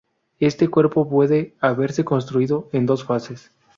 Este cuerpo pudo haberse construido en dos fases.